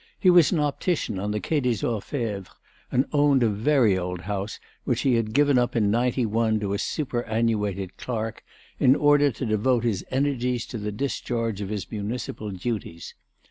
He was an optician on the Quai des Orfèvres, and owned a very old house which he had given up in '91 to a superannuated clerk in order to devote his energies to the discharge of his municipal duties.